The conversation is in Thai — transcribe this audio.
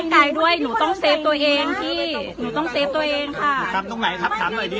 คุณต้องถูกข้างนึงหรอครับ